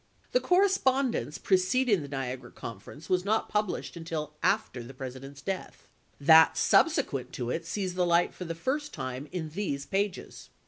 The correspondence preceding the Niagara conference was not pub lished until after the President's death; that sub sequent to it sees the light for the first time in these pages.